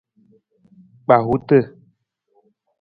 Kpahuta.